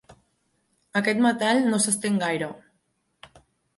Aquest metall no s'estén gaire.